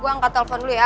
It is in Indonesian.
gua angkat telpon dulu ya